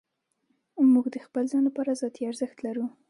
موږ د خپل ځان لپاره ذاتي ارزښت لرو.